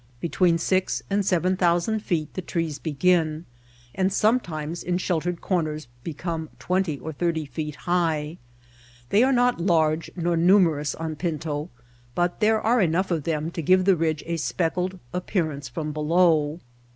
Between six and seven thousand feet the trees begin, and sometimes in sheltered corners become twenty or thirty feet high. They are not large nor numerous on Pinto, but there are enough of them to give the ridge a speckled appearance from below.